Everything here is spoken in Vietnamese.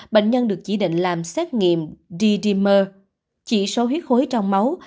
bệnh nhân được chỉ định làm xét nghiệm gdimer chỉ số huyết khối trong máu